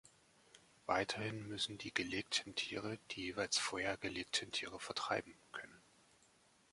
Weiterhin müssen die gelegten Tiere die jeweils vorher gelegten Tiere „vertreiben“ können.